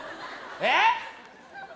えっ⁉